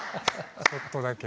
ちょっとだけ。